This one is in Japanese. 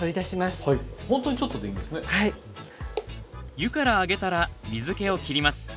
湯から上げたら水けをきります。